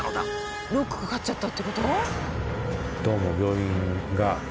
ロックかかっちゃったってこと？